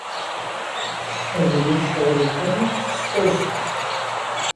Ad ilint ceɣlent arma d tis kuẓet.